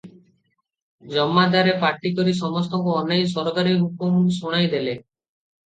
ଜମାଦାରେ ପାଟି କରି ସମସ୍ତଙ୍କୁ ଅନାଇ ସରକାରୀ ହୁକୁମ ଶୁଣାଇ ଦେଲେ ।